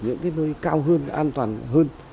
những cái nơi cao hơn an toàn hơn